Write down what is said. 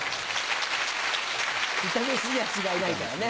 イタ飯には違いないからね。